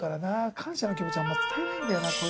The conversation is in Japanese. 感謝の気持ちあんま伝えないんだよな。